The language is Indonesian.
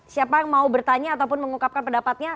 siapa yang mau bertanya ataupun mengungkapkan pendapatnya